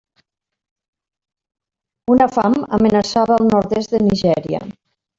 Una fam amenaçava al nord-est de Nigèria.